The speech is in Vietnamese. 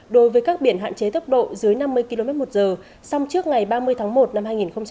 đối với các biển hạn chế tốc độ dưới năm mươi km một giờ xong trước ngày ba mươi tháng một năm hai nghìn hai mươi